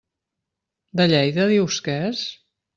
De Lleida dius que és?